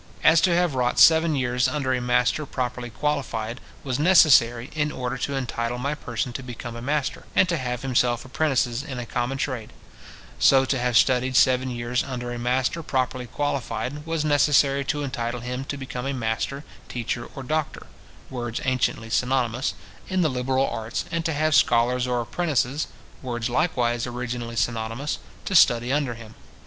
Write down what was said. As to have wrought seven years under a master properly qualified, was necessary, in order to entitle any person to become a master, and to have himself apprentices in a common trade; so to have studied seven years under a master properly qualified, was necessary to entitle him to become a master, teacher, or doctor (words anciently synonymous), in the liberal arts, and to have scholars or apprentices (words likewise originally synonymous) to study under him.